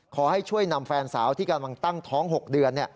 ขอให้ช่วยนำแฟนสาวที่กำลังตั้งท้อง๖เดือน